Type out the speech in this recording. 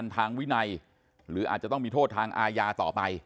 ทางวินัยหรืออาจจะต้องมีโทษทางอาญาต่อไป